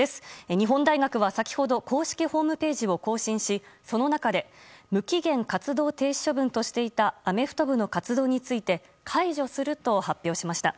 日本大学は先ほど公式ホームページを更新しその中で無期限活動停止処分としていたアメフト部の活動について解除すると発表しました。